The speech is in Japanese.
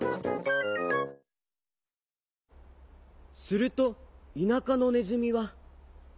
すると田舎のねずみは。